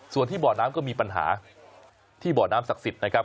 ส่วนที่บ่อน้ำก็มีปัญหาที่บ่อน้ำศักดิ์สิทธิ์นะครับ